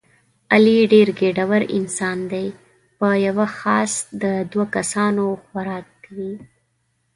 علي ډېر ګېډور انسان دی په یوه څاښت د دوه کسانو خوراک کوي.